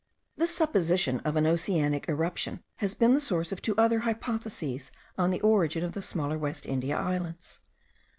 This supposition of an oceanic irruption has been the source of two other hypotheses on the origin of the smaller West India Islands.